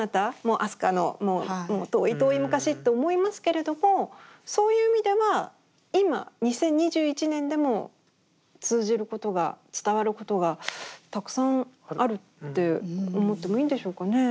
飛鳥の遠い遠い昔と思いますけれどもそういう意味では今２０２１年でも通じることが伝わることがたくさんあるって思ってもいいんでしょうかね。